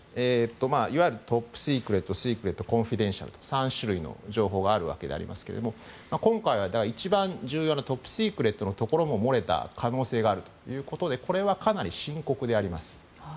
トップシークレットシークレットコンフィデンシャルの３種類の情報があるわけですが今回は一番重要なトップシークレットのところも漏れた可能性があるということでこれはかなり深刻であります。